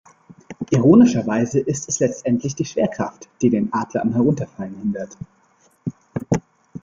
Ironischerweise ist es letztendlich die Schwerkraft, die den Adler am Herunterfallen hindert.